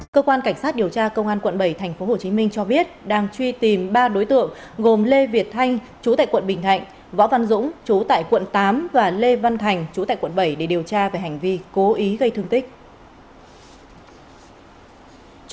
cơ quan cảnh sát điều tra công an quận bảy tp hcm cho biết đang truy tìm ba đối tượng gồm lê việt thanh chú tại quận bình thạnh võ văn dũng chú tại quận tám và lê văn thành chú tại quận bảy để điều tra về hành vi cố ý gây thương tích